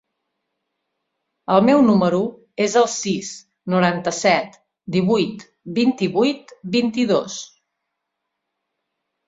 El meu número es el sis, noranta-set, divuit, vint-i-vuit, vint-i-dos.